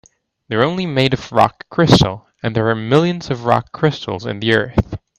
They're only made of rock crystal, and there are millions of rock crystals in the earth.